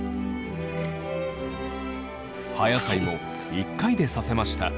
葉野菜も１回で刺せました。